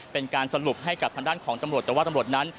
เป็นการสรุปให้กับทางด้านของตำรวจแต่ว่าตำรวจนั้น